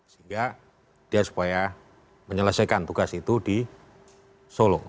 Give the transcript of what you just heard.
sehingga dia supaya menyelesaikan tugas itu di solo